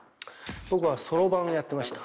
僕はそろばんをやってました。